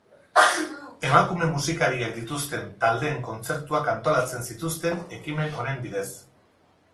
Emakume musikariak dituzten taldeen kontzertuak antolatzen zituzten ekimen honen bidez.